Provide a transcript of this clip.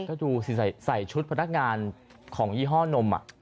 ก็ดูสิใส่ชุดพนักงานของยี่ห้อนม